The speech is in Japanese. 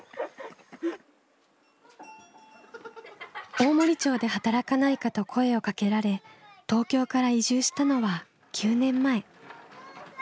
大森町で働かないかと声をかけられ東京から移住したのは９年前。